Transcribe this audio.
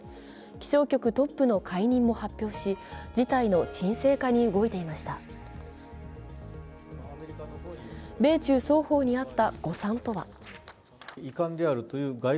気象局トップの解任も発表し、事態の沈静化に動いていました。